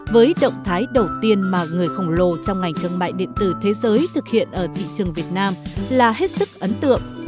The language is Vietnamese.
với động thái đầu tiên mà người khổng lồ trong ngành thương mại điện tử thế giới thực hiện ở thị trường việt nam là hết sức ấn tượng